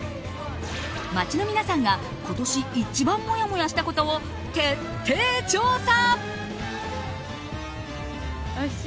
街の皆さんが今年一番もやもやしたことを徹底調査！